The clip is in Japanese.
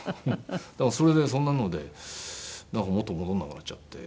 だからそれでそんなので元に戻らなくなっちゃって。